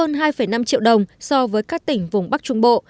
hơn hai năm triệu đồng so với các tỉnh vùng bắc trung bộ